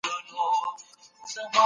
که حضوري تدریس وسي.